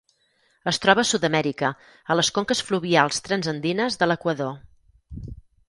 Es troba a Sud-amèrica, a les conques fluvials transandines de l'Equador.